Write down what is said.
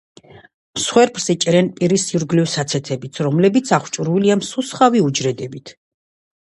მსხვერპლს იჭერენ პირის ირგვლივი საცეცებით, რომლებიც აღჭურვილია მსუსხავი უჯრედებით.